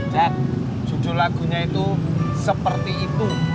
cak jujur lagunya itu seperti itu